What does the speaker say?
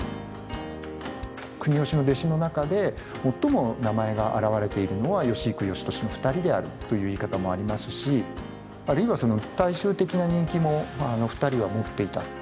国芳の弟子の中で最も名前があらわれているのは芳幾芳年の２人であるという言い方もありますしあるいは大衆的な人気も２人は持っていた。